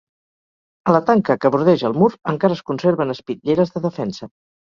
A la tanca que bordeja el mur, encara es conserven espitlleres de defensa.